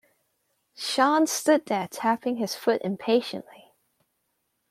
Sean stood there tapping his foot impatiently.